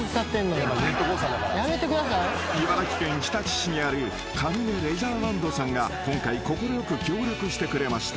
［茨城県日立市にあるかみねレジャーランドさんが今回快く協力してくれました］